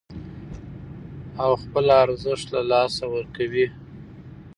او خپل ارزښت له لاسه ورکوي